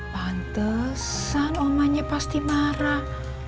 pantesan omanya pasti marah